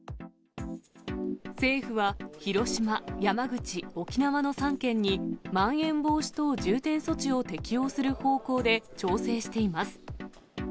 政府は、広島、山口、沖縄の３県に、まん延防止等重点措置を適用する方向で調整しています。